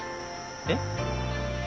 えっ？